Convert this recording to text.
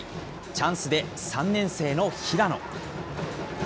チャンスで３年生の平野。